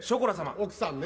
奥さんね。